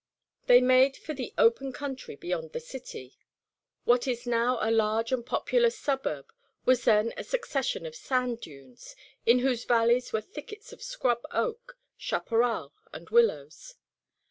They made for the open country beyond the city. What is now a large and populous suburb, was then a succession of sand dunes, in whose valleys were thickets of scrub oak, chaparral, and willows.